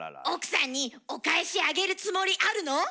奥さんにお返しあげるつもりあるの？